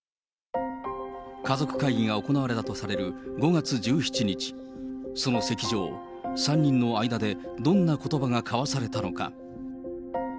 家族会議が行われたとされる５月１７日、その席上、３人の間でどんなことばが交わされたのか。